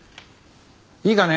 いいかね？